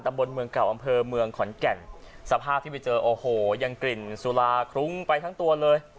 บนเมืองเก่าอำเภอเมืองขอนแก่นสภาพที่ไปเจอโอ้โหยังกลิ่นสุราคลุ้งไปทั้งตัวเลย